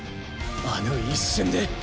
あの一瞬で？